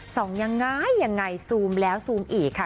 ยังไงยังไงซูมแล้วซูมอีกค่ะ